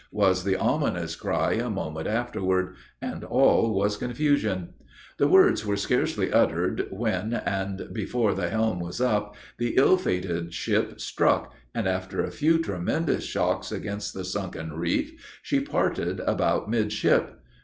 was the ominous cry a moment afterward, and all was confusion. The words were scarcely uttered, when, and before the helm was up, the ill fated ship struck, and, after a few tremendous shocks against the sunken reef, she parted about midship.